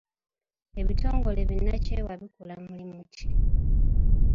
Ebitongole bi nnakyewa bikola mulimu ki?